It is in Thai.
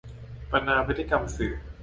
ประนามพฤติกรรมสื่อ